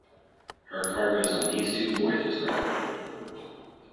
Her cargoes on these two voyages are not recorded.